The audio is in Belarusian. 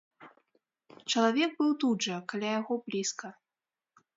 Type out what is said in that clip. Чалавек быў тут жа, каля яго блізка.